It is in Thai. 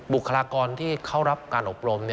คลากรที่เขารับการอบรม